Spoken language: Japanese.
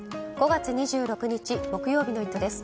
５月２６日木曜日の「イット！」です。